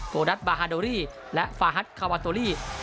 โกดัสบาฮาโดรีและฟาฮัทคาวาตโตรี